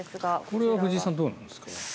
これは藤井さんどうなんですか？